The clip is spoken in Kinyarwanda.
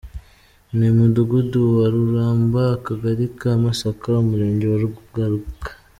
Ni mu mudugudu wa Ruramba, Akagari ka Masaka Umurenge wa Rugarika .